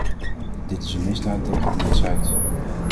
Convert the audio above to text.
Dit is een misdaad tegen de mensheid.